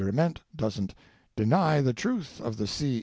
Ament doesn't "deny the truth of the C.